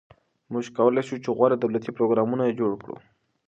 موږ کولای شو غوره دولتي پروګرامونه جوړ کړو.